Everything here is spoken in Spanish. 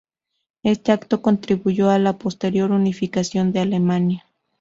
Este acto contribuyó a la posterior unificación de Alemania.